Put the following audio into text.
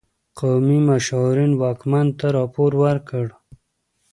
قومي مشاورین واکمن ته راپور ورکړ.